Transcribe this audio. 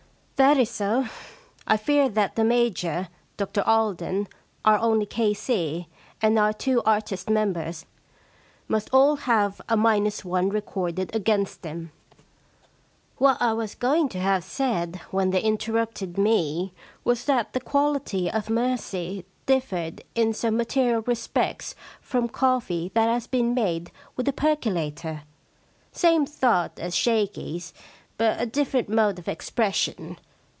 * That is so. I fear that the Major, Dr Alden, our only K.C., and our two artist members must all have a minus one recorded against them.* * What I was going to have said when they interrupted me was that the quality of mercy differed in some material respects from coffee 132 The Shakespearean Problem that has been made with a percolator. Same thought as Shakey^s, but a different mode of expression.